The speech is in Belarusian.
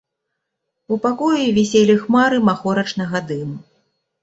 У пакоі віселі хмары махорачнага дыму.